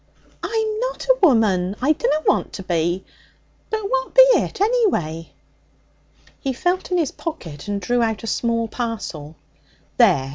'I'm not a woman. I dunna want to be. But what be it, anyway?' He felt in his pocket and drew out a small parcel. 'There!